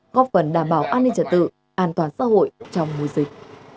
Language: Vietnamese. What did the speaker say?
góp phần đảm bảo an ninh trật tự an toàn xã hội trong mùa dịch